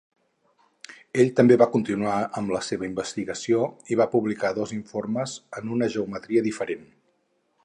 Ell també va continuar amb la seva investigació i va publicar dos informes en una geometria diferent.